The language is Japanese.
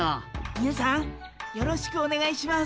みなさんよろしくおねがいします。